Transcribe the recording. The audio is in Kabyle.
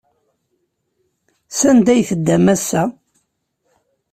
Sanda ay teddam ass-a?